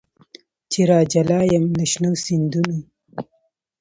چي راجلا یم له شنو سیندونو